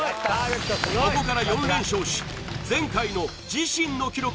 ここから４連勝し前回の自身の記録